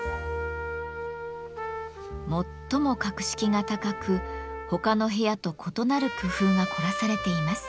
最も格式が高く他の部屋と異なる工夫が凝らされています。